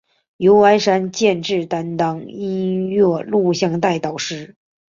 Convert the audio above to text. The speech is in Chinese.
由丸山健志担任音乐录影带导演。